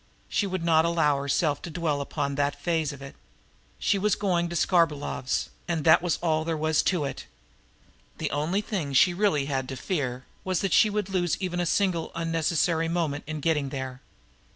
She would not allow herself to dwell upon that phase of it! She was going to Skarbolov's, and that was all there was to it. The only thing she really had to fear was that she should lose even a single unnecessary moment in getting there.